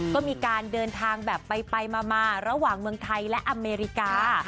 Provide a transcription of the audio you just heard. ก็มีการเดินทางแบบไปมาระหว่างเมืองไทยและอเมริกา